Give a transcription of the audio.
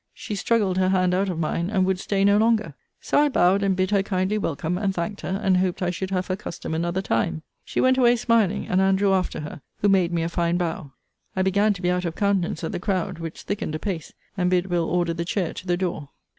She struggled her hand out of mine, and would stay no longer. So I bowed, and bid her kindly welcome, and thanked her, and hoped I should have her custom another time. She went away smiling; and Andrew after her; who made me a fine bow. I began to be out of countenance at the crowd, which thickened apace; and bid Will. order the chair to the door.